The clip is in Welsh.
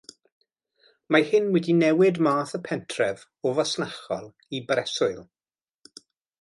Mae hyn wedi newid math y pentref o fasnachol i breswyl.